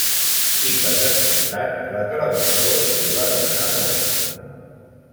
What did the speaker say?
I per descomptat la televisió li va demanar molt.